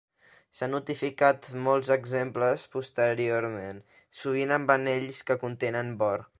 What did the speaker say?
S'han notificat molts exemples posteriorment, sovint amb anells que contenen bor.